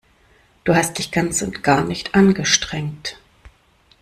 Du hast dich ganz und gar nicht angestrengt.